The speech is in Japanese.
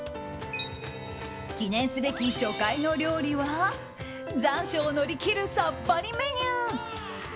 記念すべき初回の料理は残暑を乗り切るさっぱりメニュー。